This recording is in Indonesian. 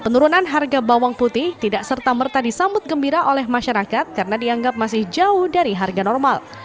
penurunan harga bawang putih tidak serta merta disambut gembira oleh masyarakat karena dianggap masih jauh dari harga normal